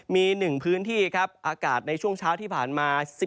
มีหนึ่งพื้นที่อากาศในช่วงเช้าที่ผ่านมา